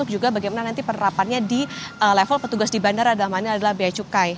juga bagaimana nanti penerapannya di level petugas di bandara dalam hal ini adalah biaya cukai